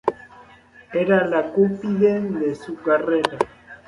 Era la cúspide de su carrera.